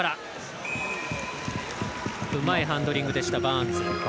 うまいハンドリングでしたバーンズ。